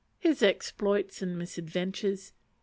His Exploits and Misadventures.